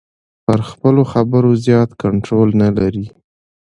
پر خپلو خبرو زیات کنټرول نلري.